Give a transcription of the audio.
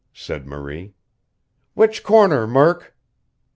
said Marie. "Which corner, Murk?"